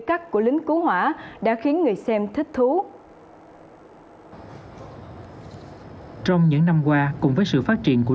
cắt của lính cứu hỏa đã khiến người xem thích thú trong những năm qua cùng với sự phát triển của